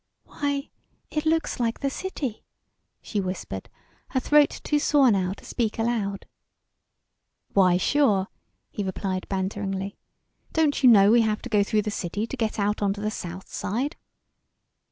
"Why, it looks like the city," she whispered, her throat too sore now to speak aloud. "Why sure," he replied banteringly; "don't you know we have to go through the city to get out to the South Side?"